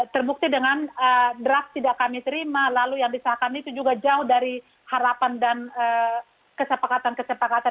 terbukti dengan draft tidak kami terima lalu yang disahkan itu juga jauh dari harapan dan kesepakatan kesepakatan